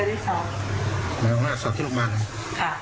ติดต่อสนามสอบไปค่ะอืมเคยได้สอบสอบที่โรงพยาบาลไงค่ะ